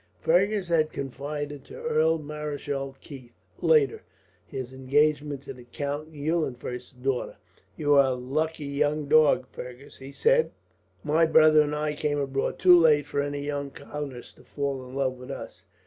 Fergus had confided to Earl Marischal Keith, later, his engagement to the Count Eulenfurst's daughter. "You are a lucky young dog, Fergus," he said. "My brother and I came abroad too late for any young countess to fall in love with us.